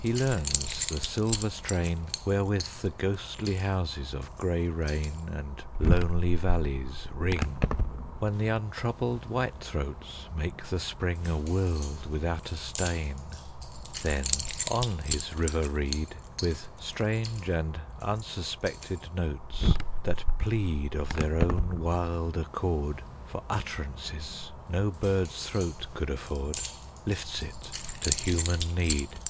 He learns the silver strain Wherewith the ghostly houses of gray rain And lonely valleys ring, When the untroubled whitethroats make the spring A world without a stain; Then on his river reed, With strange and unsuspected notes that plead Of their own wild accord For utterances no bird's throat could afford, Lifts it to human need.